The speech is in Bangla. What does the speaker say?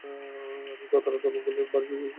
আমরা গত রাতে মঙ্গোলিয়ান বারবিকিউ খেয়েছিলাম।